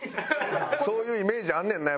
そういうイメージあんねんな